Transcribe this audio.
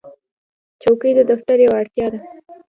چوکۍ د دفتر یوه اړتیا ده.